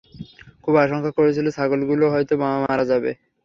খুব আশঙ্কা করছিলেন, ছাগলগুলো হয়তো মারা যাবে।